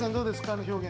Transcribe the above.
あの表現。